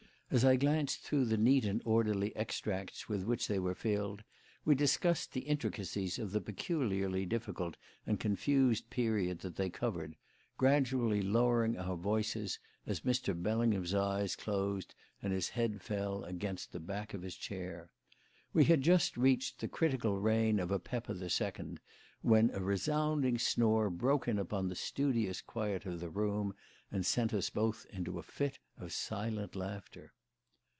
As I glanced through the neat and orderly extracts with which they were filled we discussed the intricacies of the peculiarly difficult and confused period that they covered, gradually lowering our voices as Mr. Bellingham's eyes closed and his head fell against the back of his chair. We had just reached the critical reign of Apepa II when a resounding snore broke in upon the studious quiet of the room and sent us both into a fit of silent laughter.